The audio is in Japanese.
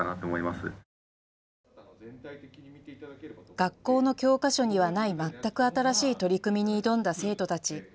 学校の教科書にはない全く新しい取り組みに挑んだ生徒たち。